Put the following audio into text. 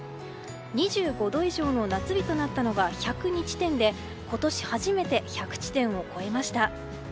２５度以上の夏日となったのは１０２地点で今年初めて１００地点を超えました。